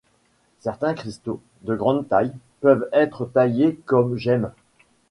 Certains cristaux, de grande tailles, peuvent être taillés comme gemme.